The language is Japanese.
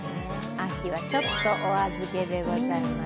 秋はちょっとお預けでございます。